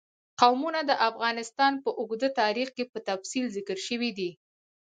قومونه د افغانستان په اوږده تاریخ کې په تفصیل ذکر شوی دی.